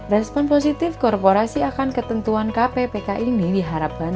respon positif korporasi akan ketentuan kppk ini diharapkan